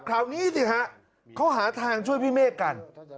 คราวนี้สิฮะเขาหาทางช่วยพี่เมฆกัน